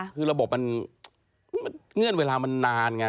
คือระบบมันเงื่อนเวลามันนานไง